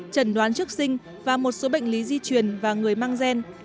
trần đoán trước sinh và một số bệnh lý di truyền và người mang gen